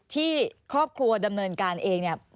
ที่ครอบครัวดำเนินการเอง